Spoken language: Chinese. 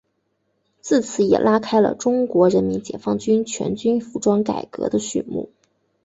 自此也拉开了中国人民解放军全军服装改革的序幕。